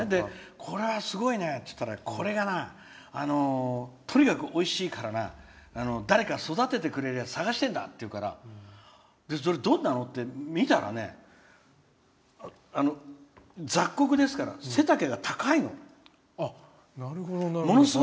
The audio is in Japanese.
これはすごいねっつったらとにかくおいしいからな誰か育ててくれるやつを探してるんだって言うからそれ、どんなの？って見たら雑穀ですから背丈が高いの。